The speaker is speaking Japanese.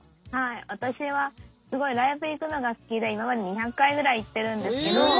私はすごいライブ行くのが好きで今まで２００回ぐらい行ってるんですけど